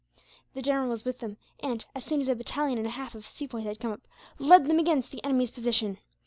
The general was with them and, as soon as a battalion and a half of Sepoys had come up, led them against the enemy's position.